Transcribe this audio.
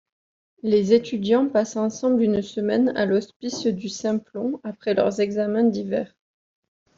Les étudiants passent ensemble une semaine à l'Hospice du Simplon après leurs examens d'hiver.